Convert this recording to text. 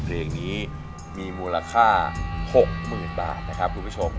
เพลงนี้มีมูลค่า๖๐๐๐บาทนะครับคุณผู้ชม